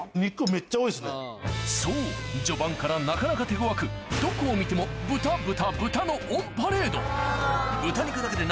そう序盤からなかなか手ごわくどこを見ても豚豚と大量！